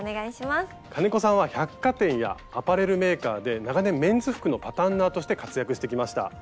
金子さんは百貨店やアパレルメーカーで長年メンズ服のパタンナーとして活躍してきました。